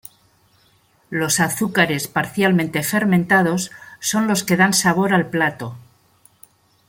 Los azúcares parcialmente fermentados son los que dan sabor al plato.